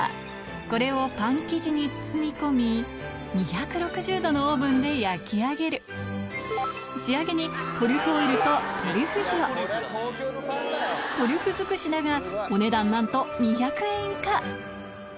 これをパン生地に包み込み２６０度のオーブンで焼き上げる仕上げにトリュフ尽くしだがお値段なんと２００円以下